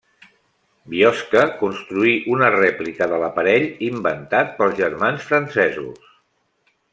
Biosca construí una rèplica de l'aparell inventat pels germans francesos.